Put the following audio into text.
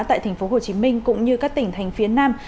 tại tp hcm cũng như các tỉnh thành phía nam